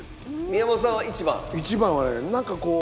宮本さんは１番？